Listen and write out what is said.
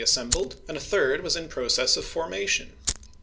assembled, and a third was in process of formation.